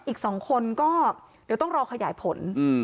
อีก๒คนก็เดี๋ยวต้องรอขยายผล